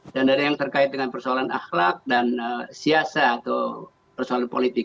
dan ada yang terkait dengan persoalan akhlak dan siasa atau persoalan politik